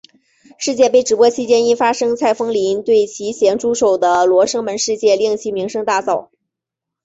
世界杯直播期间因发生蔡枫华对其咸猪手的罗生门事件令其声名大噪。